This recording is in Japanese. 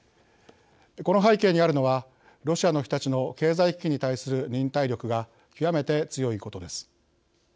この背景にあるのはロシアの人たちの経済危機に対する忍耐力が極めて強いことです。